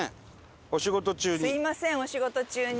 すみませんお仕事中に。